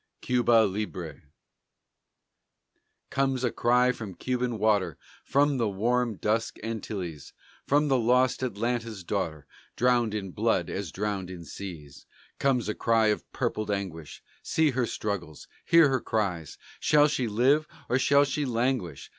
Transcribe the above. CUBA LIBRE Comes a cry from Cuban water From the warm, dusk Antilles From the lost Atlanta's daughter, Drowned in blood as drowned in seas; Comes a cry of purpled anguish See her struggles, hear her cries! Shall she live, or shall she languish?